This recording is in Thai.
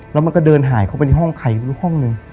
แล้วมันก็เดินหายเข้าไปในห้องใครรู้ห้องหนึ่ง